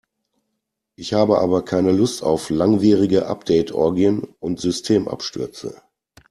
Ich habe aber keine Lust auf langwierige Update-Orgien und Systemabstürze.